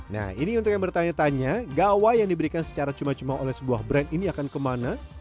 nah ini untuk yang bertanya tanya gawai yang diberikan secara cuma cuma oleh sebuah brand ini akan kemana